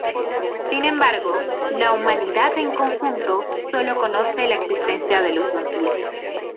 Sin embargo, la humanidad en conjunto sólo conoce la existencia de los vampiros.